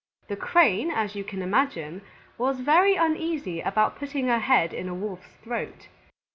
The Crane, as you can imagine, was very uneasy about putting her head in a Wolf's throat.